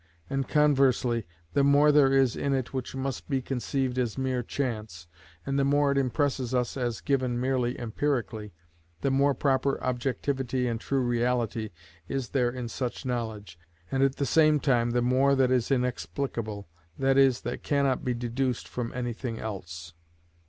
And conversely, the more there is in it which must be conceived as mere chance, and the more it impresses us as given merely empirically, the more proper objectivity and true reality is there in such knowledge, and at the same time, the more that is inexplicable, that is, that cannot be deduced from anything else.